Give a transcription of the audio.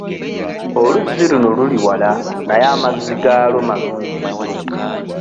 Oluzzi luno luli wala naye amazzi gaalwo malungi nnyo.